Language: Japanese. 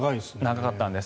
長かったんです。